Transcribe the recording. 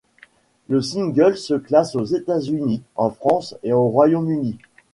Le single se classe aux États-Unis, en France et au Royaume-Uni.